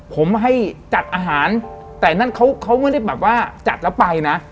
ผมให้จัดอาหารแต่นั่นเขาไม่ได้แบบว่าจัดแล้วไปนะ